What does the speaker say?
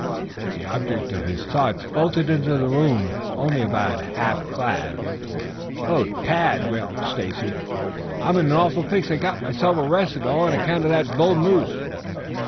The object of his thoughts bolted into the room only about half clad. "Oh, Tad!" wailed Stacy. "I'm in an awful fix! I've got myself arrested, all on account of that bull moose."